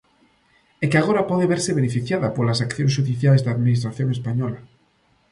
E que agora pode verse beneficiada polas accións xudiciais da Administración española.